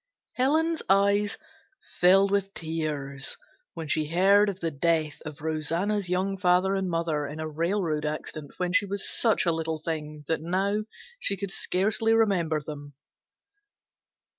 Helen's eyes filled with tears when she heard of the death of Rosanna's young father and mother in a railroad accident when she was such a little thing that now she could scarcely remember them.